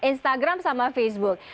instagram sama facebook